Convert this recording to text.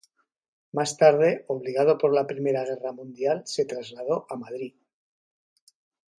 Más tarde, obligado por la Primera guerra mundial se trasladó a Madrid.